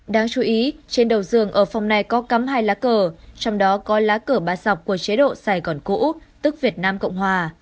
đáng chú ý trên đầu dường ở phòng này có cắm hai lá cờ trong đó có lá cờ bà sọc của chế độ sài gòn cũ tức việt nam cộng hòa